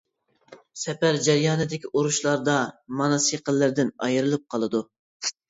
سەپەر جەريانىدىكى ئۇرۇشلاردا ماناس يېقىنلىرىدىن ئايرىلىپ قالىدۇ.